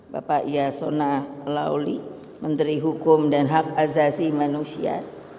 bapak yasona lauli menteri hukum dan hak azazi manusia